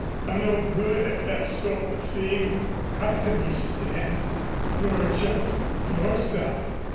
I'm no good at that sort of thing." "I understand. You're just yourself.